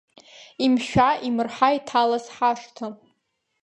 Имшәа имырҳа иҭалаз ҳашҭа.